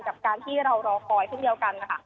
กับการที่เรารอคอยเช่นเดียวกันนะคะ